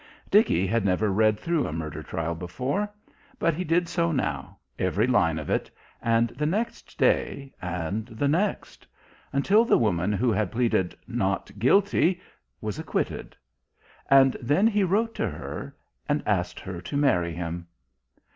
Dickie had never read through a murder trial before. But he did so now, every line of it ... and the next day, and the next. Until the woman who had pleaded "Not guilty" was acquitted. And then he wrote to her, and asked her to marry him.